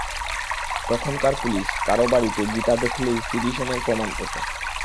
তখনকার পুলিস কারও বাড়িতে গীতা দেখলেই সিডিশনের প্রমাণ পেত।